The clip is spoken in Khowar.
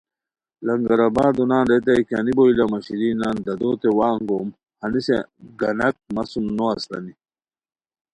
لنگر آباد و نان ریتائے کیانی بوئے لہ مہ شیرین نان دادوتے وا انگوم ہنیسے گانک مہ سُم نو استانی